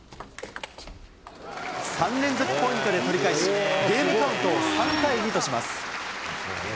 ３連続ポイントで取り返し、ゲームカウントを３対２とします。